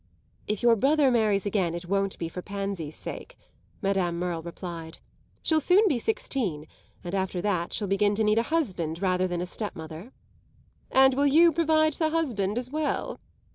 "If your brother marries again it won't be for Pansy's sake," Madame Merle replied. "She'll soon be sixteen, and after that she'll begin to need a husband rather than a stepmother." "And will you provide the husband as well?"